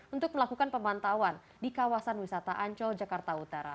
untuk melakukan pemantauan di kawasan wisata ancol jakarta utara